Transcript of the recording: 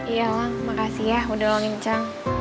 iya elang makasih ya udah nolongin chang